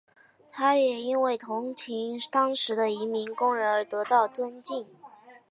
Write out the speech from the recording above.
他也因为同情当时的移民工人而得到的尊敬。